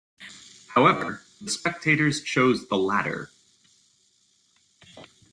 However, the spectators chose the latter.